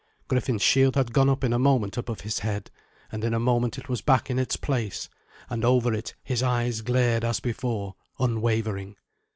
Griffin's shield had gone up in a moment above his head, and in a moment it was back in its place, and over it his eyes glared as before, unwavering.